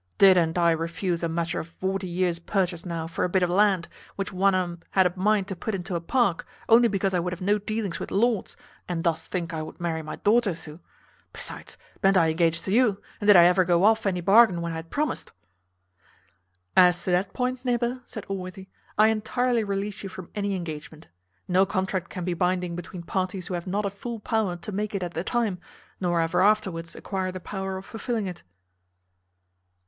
Did unt I refuse a matter of vorty years' purchase now for a bit of land, which one o' um had a mind to put into a park, only because I would have no dealings with lords, and dost think I would marry my daughter zu? Besides, ben't I engaged to you, and did I ever go off any bargain when I had promised?" "As to that point, neighbour," said Allworthy, "I entirely release you from any engagement. No contract can be binding between parties who have not a full power to make it at the time, nor ever afterwards acquire the power of fulfilling it."